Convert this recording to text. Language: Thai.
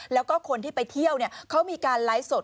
แล้วก็คนที่ไปเที่ยวเขามีการไลฟ์สด